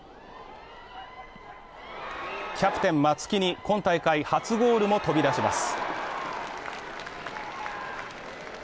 キャプテン・松木に今大会初ゴールも飛び出します。